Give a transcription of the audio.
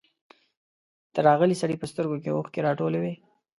د راغلي سړي په سترګو کې اوښکې راټولې وې.